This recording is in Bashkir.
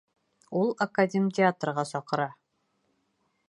Ул академтеатрға саҡыра...